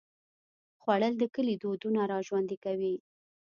خوړل د کلي دودونه راژوندي کوي